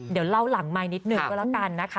เดี๋ยวเล่าหลังไมค์นิดหนึ่งก็แล้วกันนะคะ